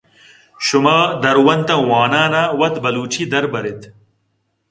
شُما درونتاں وانان ءَ وت بلوچی دربر اِت